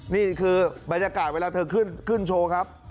นี่คือบรรยากาศเวลาเธอขึ้นโชว์ครับ